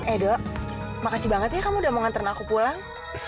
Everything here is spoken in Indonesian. eh dok makasih banget ya kamu udah mau nganterin aku pulang